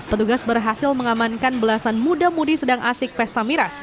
petugas berhasil mengamankan belasan muda mudi sedang asik pesta miras